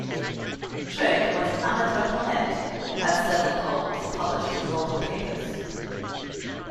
Trick was an amateur poet who had several poems published in local papers.